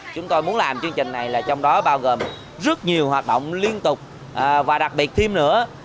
chúng tôi muốn làm chương trình này là trong đó bao gồm rất nhiều hoạt động liên tục và đặc biệt thêm nữa